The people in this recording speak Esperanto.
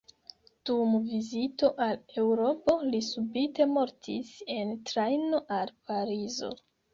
Dum vizito al Eŭropo li subite mortis en trajno al Parizo.